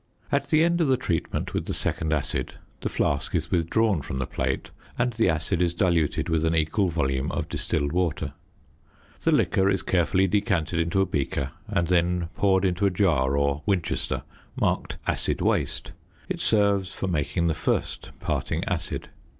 At the end of the treatment with the second acid the flask is withdrawn from the plate and the acid is diluted with an equal volume of distilled water. The liquor is carefully decanted into a beaker, and then poured into a jar or Winchester marked "acid waste"; it serves for making the first parting acid.